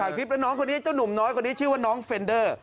คลิปแล้วน้องคนนี้เจ้าหนุ่มน้อยคนนี้ชื่อว่าน้องเฟนเดอร์